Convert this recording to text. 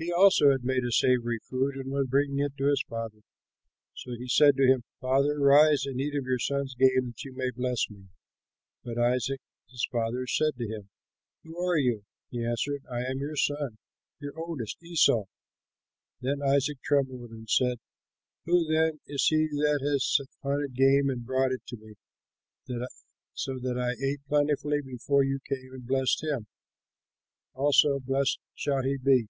He also had made savory food and was bringing it to his father. So he said to him, "Father, rise and eat of your son's game, that you may bless me." But Isaac his father said to him, "Who are you?" He answered, "I am your son, your oldest, Esau." Then Isaac trembled and said, "Who then is he that has hunted game and brought it to me, so that I ate plentifully before you came, and blessed him? Also blessed shall he be!"